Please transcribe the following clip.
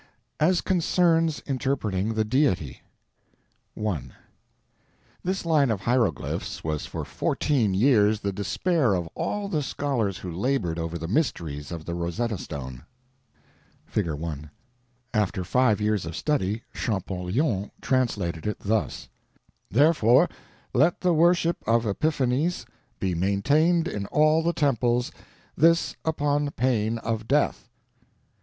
AS CONCERNS INTERPRETING THE DEITY I This line of hieroglyphs was for fourteen years the despair of all the scholars who labored over the mysteries of the Rosetta stone: (Figure 1) After five years of study Champollion translated it thus: Therefore let the worship of Epiphanes be maintained in all the temples, this upon pain of death.